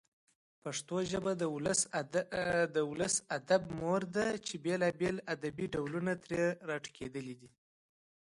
پښتو ژبه د ولسي ادب مور ده چي بېلابېل ادبي ډولونه ترې راټوکېدلي دي.